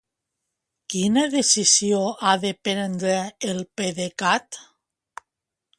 Quina decisió ha de prendre el PDECat?